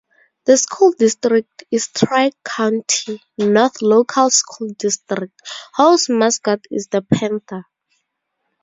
The school district is Tri-County North Local School District, whose mascot is the panther.